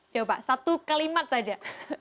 coba satu kalimat saja